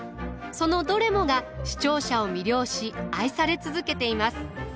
そのどれもが視聴者を魅了し愛され続けています。